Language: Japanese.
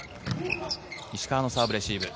石川のサーブ、レシーブ。